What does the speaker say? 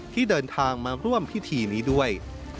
ที่เดินทางมาร่วมพิธีนี้ด้วย